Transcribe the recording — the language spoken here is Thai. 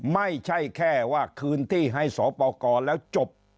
ไม่ใช่แค่ว่าคืนที่ให้สปกรแล้วจบ